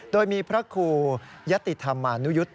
โดยมีพระครูยติธรรมานุยุทธ์